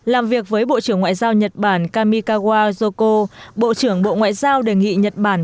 làm việc với bộ trưởng ngoại giao nhật bản kamikawa yoko bộ trưởng bộ ngoại giao đề nghị nhật bản